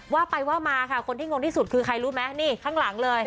ว่าไปว่ามาค่ะคนที่งงที่สุดคือใครรู้ไหมนี่ข้างหลังเลย